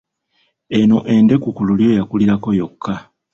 Eno endeku ku lulyo yakulirako yokka.